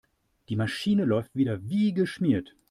Die Maschine läuft wieder wie geschmiert.